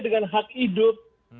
dengan hak hidup